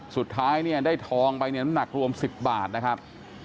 สุดท้ายเนี่ยได้ทองไปเนี่ยน้ำหนักรวม๑๐บาทนะครับ